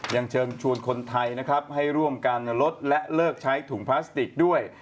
ยังเชิญชวนคนไทยนะครับให้ร่วมกันลดและเลิกใช้ถุงพลาสติกด้วย